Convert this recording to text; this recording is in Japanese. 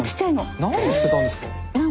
何で捨てたんですか？